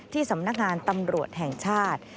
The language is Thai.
สำนักงานตำรวจแห่งชาติ